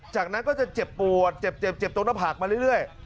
จากนั้นก็จะเจ็บปวดเจ็บเจ็บตรงหน้าผากมาเรื่อย